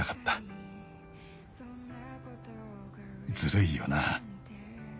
「ずるいよな」